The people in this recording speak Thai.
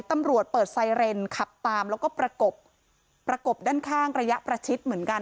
ตำรวจเปิดไซเรนขับตามแล้วก็ประกบประกบด้านข้างระยะประชิดเหมือนกัน